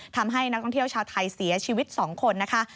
ทำให้นักท่องเที่ยวชาวไทยเสียชีวิต๒คนนะคะ